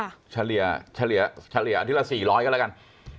ค่ะเฉลี่ยเฉลี่ยเฉลี่ยอาทิตย์ละสี่ร้อยก็แล้วกัน